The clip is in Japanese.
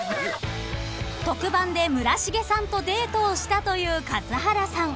［特番で村重さんとデートをしたという数原さん］